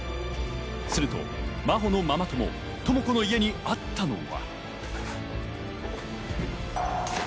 すると真帆のママ友・朋子の家にあったのは。